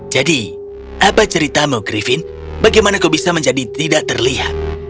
jadi apa ceritamu griffin bagaimana kau bisa menjadi tidak terlihat